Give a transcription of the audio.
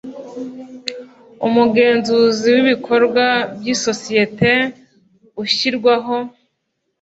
umugenzuzi w ibikorwa by isosiyete ushyirwaho